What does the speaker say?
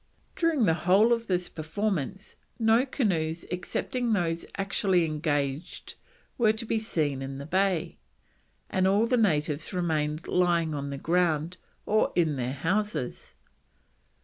During the whole of this performance no canoes excepting those actually engaged were to be seen in the bay, and all the natives remained lying on the ground or in their houses.